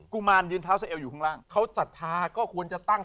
กุมารยืนเท้าซะเอวอยู่ข้างล่าง